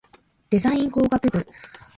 デザイン工学部